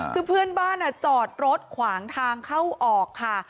คือเพื่อนบ้านจอดรถขวางทางเข้าออกค่ะ